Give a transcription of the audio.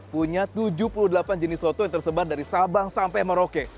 punya tujuh puluh delapan jenis soto yang tersebar dari sabang sampai merauke